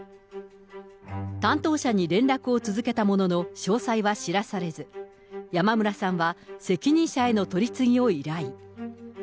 担当者に連絡を続けたものの、詳細は知らされず、山村さんは、責任者への取り次ぎを依頼。